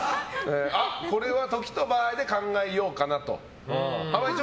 これは時と場合で考えようかなと。